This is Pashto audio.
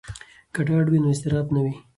که ډاډ وي نو اضطراب نه وي.